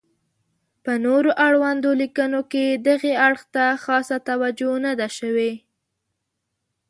په نور اړوندو لیکنو کې دغې اړخ ته خاصه توجه نه ده شوې.